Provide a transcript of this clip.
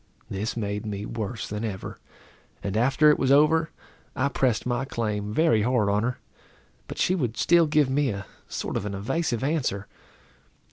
This made me worse than ever; and after it was over, I pressed my claim very hard on her, but she would still give me a sort of an evasive answer.